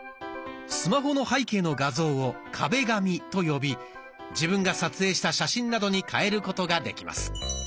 スマホの背景の画像を「壁紙」と呼び自分が撮影した写真などに変えることができます。